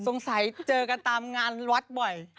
สงสัยเจอกันตามงานวัดบ่อย